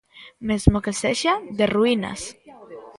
Mesmo que sexa de ruínas.